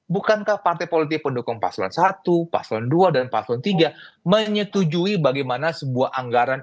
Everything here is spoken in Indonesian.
bukankah partai politik pendukung paslon satu paslon dua dan paslon tiga menyetujui bagaimana sebuah anggaran